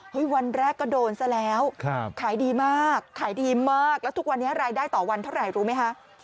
วันแรกก็โดนซะแล้วขายดีมากขายดีมากแล้วทุกวันนี้รายได้ต่อวันเท่าไหร่รู้ไหมคะ